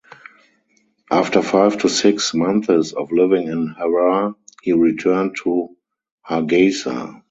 After five to six months of living in Harar he returned to Hargeisa.